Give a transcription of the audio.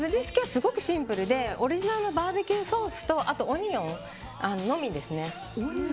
すごくシンプルでオリジナルのバーベキューソースとあとはオニオンのみですね。